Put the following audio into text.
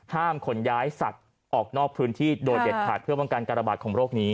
ขนย้ายสัตว์ออกนอกพื้นที่โดยเด็ดขาดเพื่อป้องกันการระบาดของโรคนี้